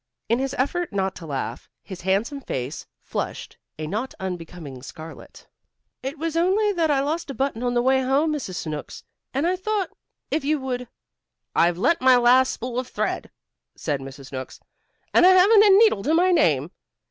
In his effort not to laugh, his handsome young face flushed a not unbecoming scarlet. "It was only that I lost a button on the way home, Mrs. Snooks, and I thought if you would " "I've lent my last spool of thread," said Mrs. Snooks, "and I haven't a needle to my name.